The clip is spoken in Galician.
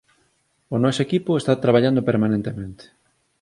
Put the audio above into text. "O noso equipo está traballando permanentemente".